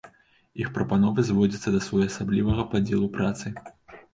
Іх прапановы зводзяцца да своеасаблівага падзелу працы.